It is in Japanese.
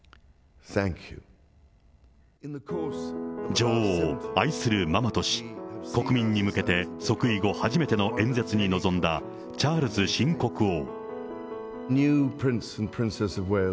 女王を愛するママとし、国民に向けて即位後初めての演説に臨んだチャールズ新国王。